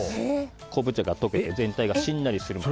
昆布茶が溶けて全体がしんなりするまで。